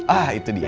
ah itu dia